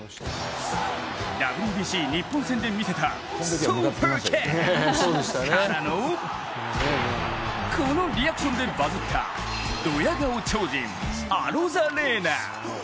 ＷＢＣ日本戦で見せたスーパーキャッチからのこのリアクションでバズったどや顔超人、アロザレーナ。